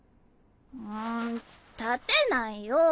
ん立てないよ。